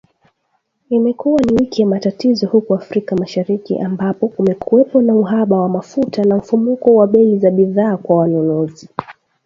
Imekuwa ni wiki ya matatizo huko Afrika Mashariki, ambako kumekuwepo na uhaba wa mafuta na mfumuko wa bei za bidhaa kwa wanunuzi.